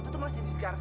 kalim di hasil kalo